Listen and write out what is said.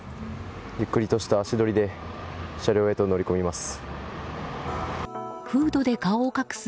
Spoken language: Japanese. ゆっくりとした足取りで車両へと乗り込みます。